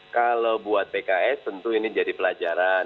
kalau buat pks tentu ini jadi pelajaran